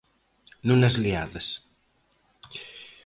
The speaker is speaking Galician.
Non as leades.